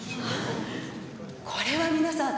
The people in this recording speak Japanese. これは皆さん